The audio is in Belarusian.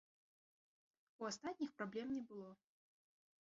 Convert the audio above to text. У астатніх праблем не было.